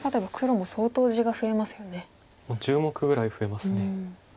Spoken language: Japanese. もう１０目ぐらい増えます。